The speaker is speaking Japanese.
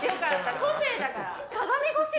個性だから。